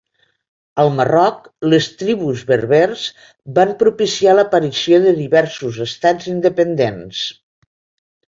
Al Marroc, les tribus berbers van propiciar l'aparició de diversos estats independents.